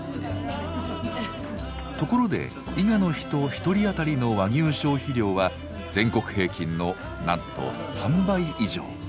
ところで伊賀の人１人当たりの和牛消費量は全国平均のなんと３倍以上。